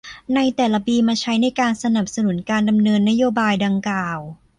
ในแต่ละปีมาใช้ในการสนับสนุนการดำเนินนโยบายดังกล่าว